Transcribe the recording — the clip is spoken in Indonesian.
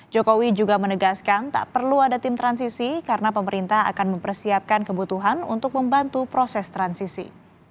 jokowi juga menegaskan tak perlu ada tim transisi karena pemerintah akan mempersiapkan kebutuhan untuk membantu proses transisi